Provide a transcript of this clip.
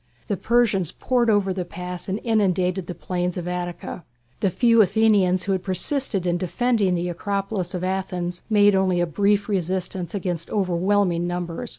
The Persians poured over the Pass and inundated the plains of Attica. The few Athenians who had persisted in defending the Acropolis of Athens made only a brief resistance against overwhelming numbers.